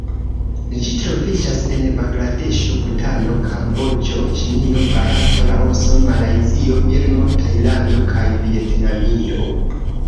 Ĝi troviĝas en Bangladeŝo, Butano, Kamboĝo, Ĉinio, Barato, Laoso, Malajzio, Birmo, Tajlando kaj Vjetnamio.